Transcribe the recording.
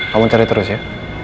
kamu cari terus ya